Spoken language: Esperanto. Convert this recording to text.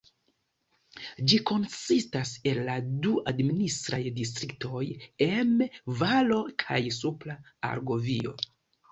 Ĝi konsistas el la du administraj distriktoj Emme-Valo kaj Supra Argovio.